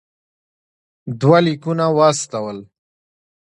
دوه لیکونه واستول.